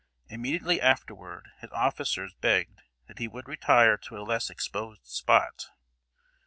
Immediately afterward, his officers begged that he would retire to a less exposed spot.